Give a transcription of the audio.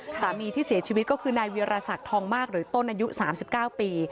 สามีที่เสียชีวิตก็คือนายวิราษักทองมากโดยต้นอายุ๓๙ปี